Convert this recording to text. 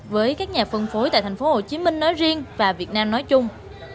với các nhà phân phối tại tp hcm nói riêng và việt nam nói chung